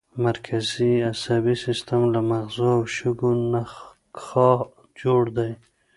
مرکزي عصبي سیستم له مغزو او شوکي نخاع جوړ دی